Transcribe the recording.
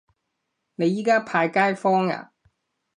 你而家派街坊呀